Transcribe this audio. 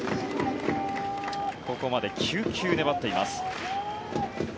ここまで９球粘っています。